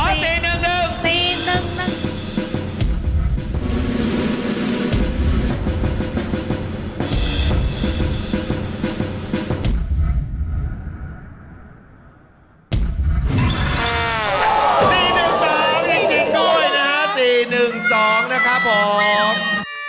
๔๑๒จริงด้วยนะฮะ๔๑๒นะครับผม